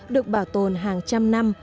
được bảo tồn hàng trăm năm